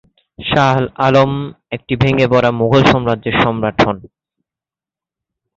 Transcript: শাহ আলম একটি ভেঙ্গে পড়া মুঘল সাম্রাজ্যের সম্রাট হন।